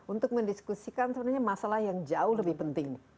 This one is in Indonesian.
untuk mendiskusikan sebenarnya masalah yang jauh lebih penting